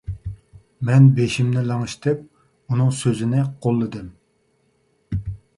مەن بېشىمنى لىڭشىتىپ، ئۇنىڭ سۆزىنى قوللىدىم.